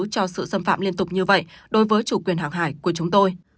cho sự xâm phạm liên tục như vậy đối với chủ quyền hàng hải của chúng tôi